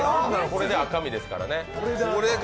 これで赤身ですからね。